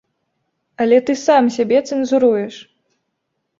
Але ты сам сябе цэнзуруеш.